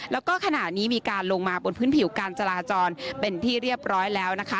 แล้วก็ขณะนี้มีการลงมาบนพื้นผิวการจราจรเป็นที่เรียบร้อยแล้วนะคะ